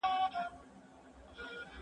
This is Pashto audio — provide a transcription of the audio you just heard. زه به سبا سفر کوم؟